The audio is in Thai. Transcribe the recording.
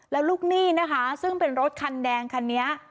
แล้วลูกหนี้นะคะซึ่งเป็นรถคันแดงคันนี้